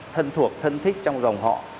thân thuộc thân thích trong dòng họ